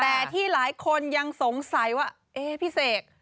แต่ที่หลายคนยังสงสัยว่าเอ๊ะพี่เสก